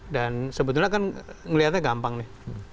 dan sebetulnya kan melihatnya gampang nih